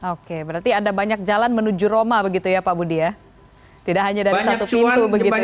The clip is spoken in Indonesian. oke berarti ada banyak jalan menuju roma begitu ya pak budi ya tidak hanya dari satu pintu begitu ya